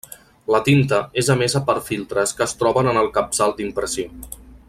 La tinta és emesa per filtres que es troben en el capçal d'impressió.